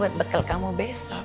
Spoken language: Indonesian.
buat bekal kamu besok